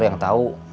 ada yang tahu